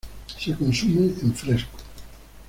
Se consume en fresco.